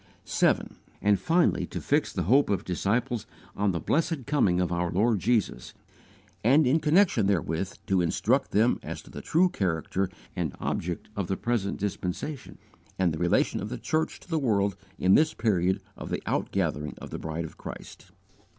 7. And finally to fix the hope of disciples on the blessed coming of our Lord Jesus; and, in connection therewith, to instruct them as to the true character and object of the present dispensation, and the relation of the church to the world in this period of the out gathering of the Bride of Christ.